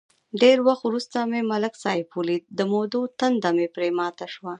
ډېر وخت ورسته مې ملک صاحب ولید، د مودو تنده مې پرې ماته شوه.